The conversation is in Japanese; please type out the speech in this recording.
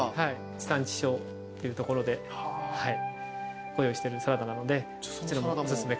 地産地消っていうところでご用意してるサラダなのでおすすめかなと。